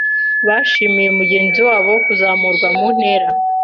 Bashimiye mugenzi wabo kuzamurwa mu ntera.